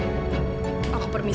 urus urusan kamu sendiri min